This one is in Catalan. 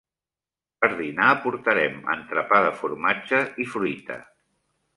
Per dinar portarem entrepà de formatge i fruita.